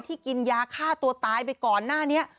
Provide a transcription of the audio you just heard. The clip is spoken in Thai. กินยาฆ่าตัวตายไปก่อนหน้านี้